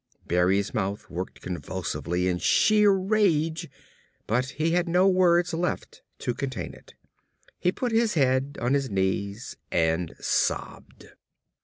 Berry's mouth worked convulsively in sheer rage but he had no words left to contain it. He put his head on his knees and sobbed.